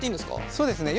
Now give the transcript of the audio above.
そうですね。